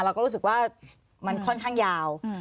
เราก็รู้สึกว่ามันค่อนข้างยาว